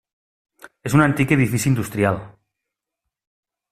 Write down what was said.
És un antic edifici industrial.